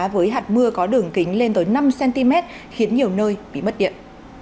với hạt mưa có đường kính lên tới năm cm khiến nhiều nơi bị mất điện